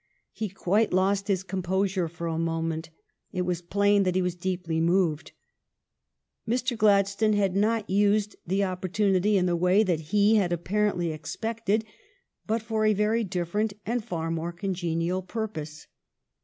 He quite lost his composure for a moment ; it was plain that he was deeply moved. Mr. Gladstone had not used the opportunity in the way that he had apparently expected, but for a very different and far more congenial purpose.